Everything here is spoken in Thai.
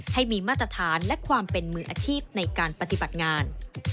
ให้มีมาตรฐานและความเป็นมืออาชีพในการปฏิบัติงาน